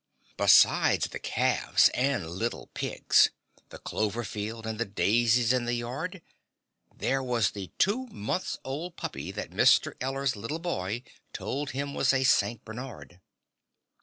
Besides the calves and little pigs, the clover field and the daisies in the yard, there was the two months' old puppy that Mr. Eller's little boy told him was a St. Bernard.